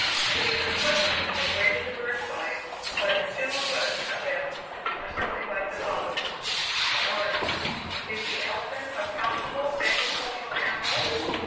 These questions were greatly diversified, but the "general run" of them were something like the following: 1. "Is the elephant a profitable agricultural animal?"